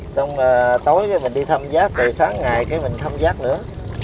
xong tối mình đi thăm giác sáng ngày mình thăm giác nữa